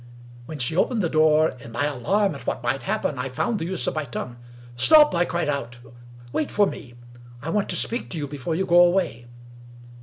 When she opened the door, in my alarm at what might happen I found the use of my tongue. " Stop !'^ I cried out. " Wait for me. I want to speak to you before you go away."